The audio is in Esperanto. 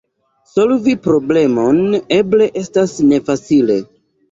Solvi problemon eble estas nefacile.